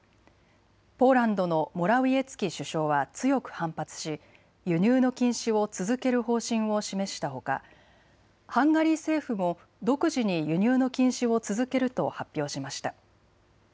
ポーランドのモラウィエツキ首相は強く反発し輸入の禁止を続ける方針を示したほかハンガリー政府も独自に輸入の禁止を続けると発表しました。